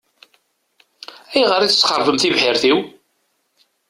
Ayɣer i tesxeṛbem tibḥirt-iw?